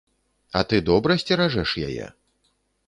А ты добра сцеражэш яе?